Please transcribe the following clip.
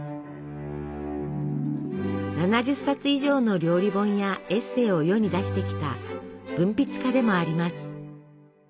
７０冊以上の料理本やエッセイを世に出してきた文筆家でもあります。